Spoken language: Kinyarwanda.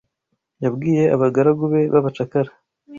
Yabwiye Abagaragu be b'abacakara